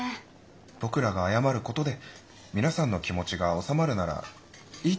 僕らが謝ることで皆さんの気持ちが収まるならいいと思いますけど。